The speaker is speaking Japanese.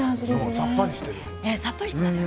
さっぱりしている。